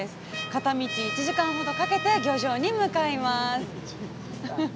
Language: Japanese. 片道１時間ほどかけて漁場に向かいます。